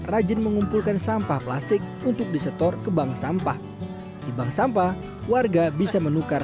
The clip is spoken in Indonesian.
rajin mengumpulkan sampah plastik untuk disetor ke bank sampah di bank sampah warga bisa menukar